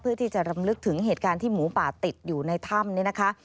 เพื่อที่จะรำลึกถึงเหตุการณ์ที่หมูป่าติดอยู่ในถ้ำนี่นะคะ